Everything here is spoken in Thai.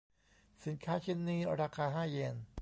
สินค้าชิ้นนี้ราคาห้าเยน